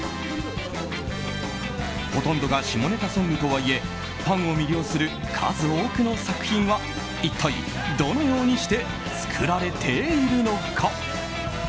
ほとんどが下ネタソングとはいえファンを魅了する数多くの作品は一体どのようにして作られているのか。